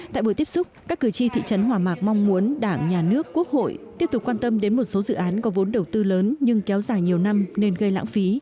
tại buổi tiếp xúc các cử tri thị trấn hòa mạc mong muốn đảng nhà nước quốc hội tiếp tục quan tâm đến một số dự án có vốn đầu tư lớn nhưng kéo dài nhiều năm nên gây lãng phí